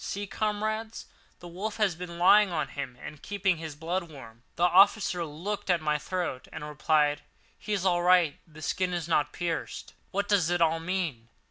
See, comrades, the wolf has been lying on him and keeping his blood warm." The officer looked at my throat and replied: "He is all right; the skin is not pierced. What does it all mean?